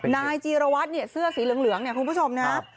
นายจีรวัตรเสื้อสีเหลืองคุณผู้ชมนะครับ